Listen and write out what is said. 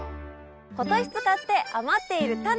今年使って余っているタネ。